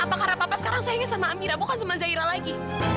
apakah karena papa sekarang sayang sama amira bukan sama zaira lagi